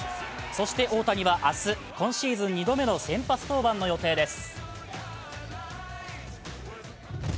そして大谷は明日、今シーズン２度目の先発登板の予定です。